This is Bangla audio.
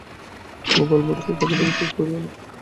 গোপাল বোধহয় কথাটা বিশ্বাস করিল না।